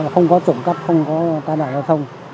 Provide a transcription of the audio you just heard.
không có trộm cắt không có tai nạn loa thông